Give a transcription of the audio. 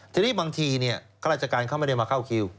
ทีนี้บางทีข้าราชการเขาไม่ได้มาเข้าคิว